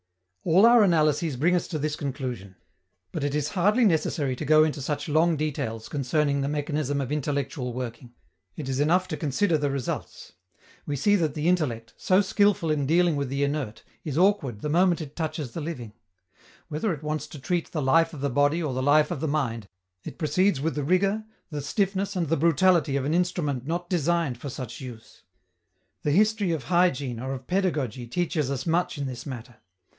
All our analyses bring us to this conclusion. But it is hardly necessary to go into such long details concerning the mechanism of intellectual working; it is enough to consider the results. We see that the intellect, so skilful in dealing with the inert, is awkward the moment it touches the living. Whether it wants to treat the life of the body or the life of the mind, it proceeds with the rigor, the stiffness and the brutality of an instrument not designed for such use. The history of hygiene or of pedagogy teaches us much in this matter.